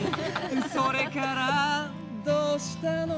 「それからどうしたの？」